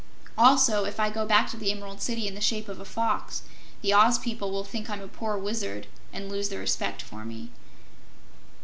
Also, if I go back to the Emerald City in the shape of a Fox, the Oz people will think I'm a poor Wizard and will lose their respect for me."